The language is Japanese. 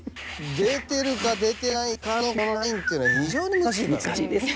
出てるか出てないかのこのラインっていうのは非常に難しいのよ。